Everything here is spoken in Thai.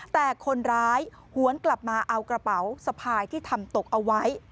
แต่คนร้ายหวนกลับมาเอากระเป๋าสะพายที่ทำตกเอาไว้